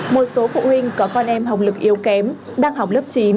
một số phụ huynh có con em hồng lực yếu kém đang học lớp chín